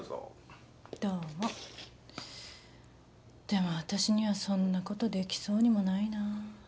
でも私にはそんなことできそうにもないな。